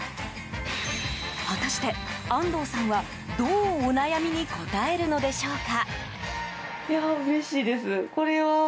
果たして安東さんは、どうお悩みに応えるのでしょうか。